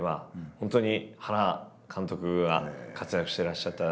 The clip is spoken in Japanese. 本当に原監督が活躍してらっしゃった時代ですので。